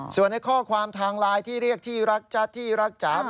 ส่วนในข้อความทางไลน์ที่เรียกที่รักจ๊ะที่รักจ๋า